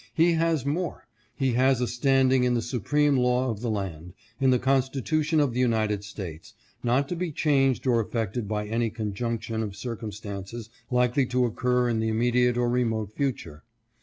He has more. He has a standing in the supreme law of the land — in the Constitution of the United States — not to be changed or affected by any conjunc tion of circumstances likely to occur in the immediate or remote future.